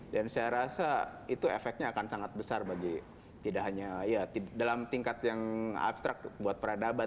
dan saya rasa itu efeknya akan sangat besar bagi tidak hanya ya dalam tingkat yang abstrak buat peradaban